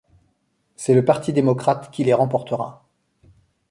C'est le Parti démocrate qui les remportera.